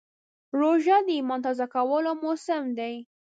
روژه د ایمان تازه کولو موسم دی.